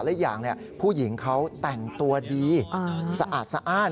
และอีกอย่างผู้หญิงเขาแต่งตัวดีสะอาดสะอ้าน